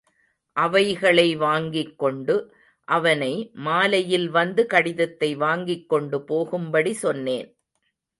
அவைகளை வாங்கிக் கொண்டு, அவனை மாலையில் வந்து கடிதத்தை வாங்கிக்கொண்டு போகும்படி சொன்னேன்.